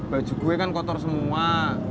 baju gue kan kotor semua